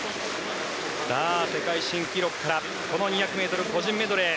世界新記録から２００ｍ個人メドレー。